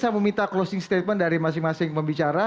saya meminta closing statement dari masing masing pembicara